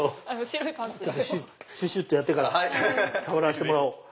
シュシュってやってから触らせてもらおう。